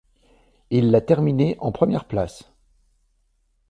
Il l’a terminé en première place.